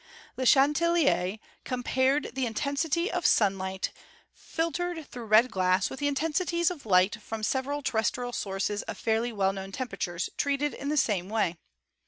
Le Cha telier compared the intensity of sunlight filtered through red glass with the intensities of light from several ter restrial sources of fairly well known temperatures treated in the same way.